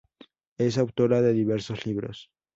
Es autora de diversos libros.